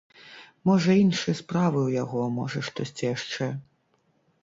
Можа іншыя справы ў яго, можа штосьці яшчэ.